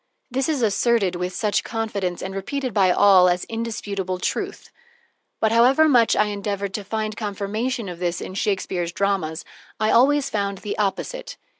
This is asserted with such confidence and repeated by all as indisputable truth; but however much I endeavored to find confirmation of this in Shakespeare's dramas, I always found the opposite.